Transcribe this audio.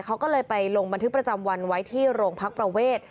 เขาก็เลยไปลงบันทึกประจำวันไว้ที่โรงพักประเวท